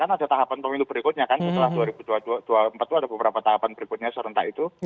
kan ada tahapan pemilu berikutnya kan setelah dua ribu dua puluh empat itu ada beberapa tahapan berikutnya serentak itu